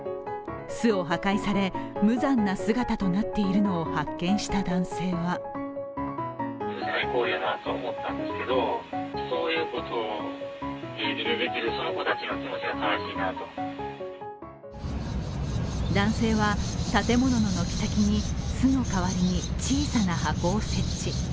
巣を破壊され無残な姿となっているのを発見した男性は男性は建物の軒先に巣の代わりに小さな箱を設置。